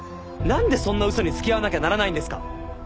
なんでそんな嘘に付き合わなきゃならないんですか。